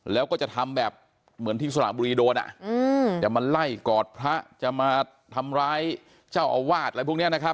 แล้วก็จะทำแบบเหมือนที่สระบุรีโดนจะมาไล่กอดพระจะมาทำร้ายเจ้าอาวาสอะไรพวกนี้นะครับ